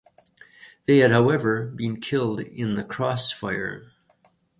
They had however been killed in the cross-fire.